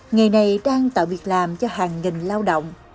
nghề này đang tạo việc làm cho hàng nghìn lao động